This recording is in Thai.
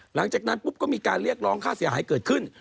หลังจากนั้นปุ๊บก็มีการเรียกร้องค่าเสียหายเกิดขึ้น